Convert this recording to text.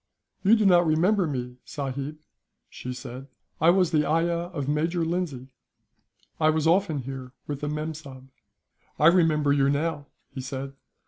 "You do not remember me, sahib?" she said. "I was the ayah of Major Lindsay. I was often here with the mem sahib." "I remember you, now," he said.